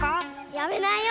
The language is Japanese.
やめないよ。